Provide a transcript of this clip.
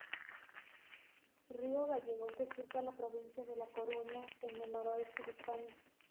Río gallego que surca la provincia de La Coruña, en el noroeste de España.